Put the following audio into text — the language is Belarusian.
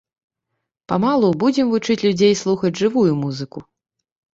Памалу будзем вучыць людзей слухаць жывую музыку.